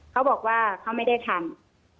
เขาบอกว่าเขาไม่ได้ทำ